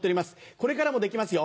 これからもできますよ